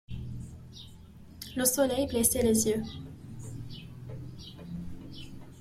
Le soleil blessait les yeux.